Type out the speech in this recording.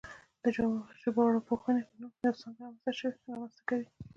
د ژبارواپوهنې په نوم یوه څانګه رامنځته کوي